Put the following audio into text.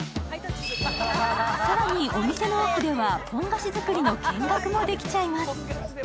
更にお店の奥ではポン菓子作りの見学もできちゃいます。